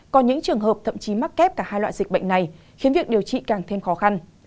có những trường hợp thậm chí mắc kép cả hai loại dịch bệnh này khiến việc điều trị càng thêm khó khăn